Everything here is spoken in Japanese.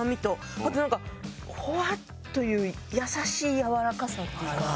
あとなんかほわっという優しいやわらかさというか。